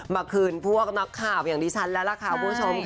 มาคืนพวกนักข่าวอย่างดิฉันแล้วล่ะค่ะคุณผู้ชมค่ะ